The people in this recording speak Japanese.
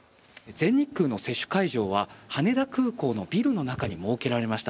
全日空の接種会場は羽田空港のビルの中に設けられました。